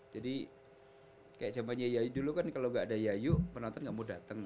jadi kayak zaman yayu dulu kan kalau gak ada yayu penonton gak mau datang